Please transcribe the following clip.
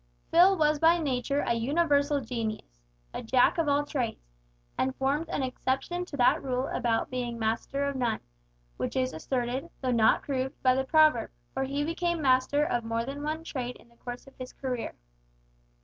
Phil was by nature a universal genius a Jack of all trades and formed an exception to that rule about being master of none, which is asserted, though not proved, by the proverb, for he became master of more than one trade in the course of his career.